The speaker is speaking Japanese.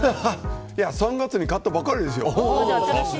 ３月に買ったばかりですよ。